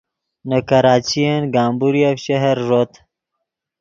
نے کراچین گمبوریف شہر ݱوت